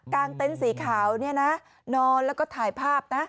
ตั้งเต็มสีขาวนี้นะนอนแล้วก็ถ่ายภาพนะ